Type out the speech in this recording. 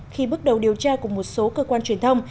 khi bước đầu điều tra cùng một số cơ quan truyền thông